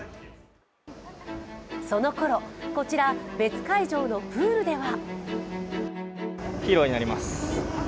そのころ、こちら別会場のプールでは。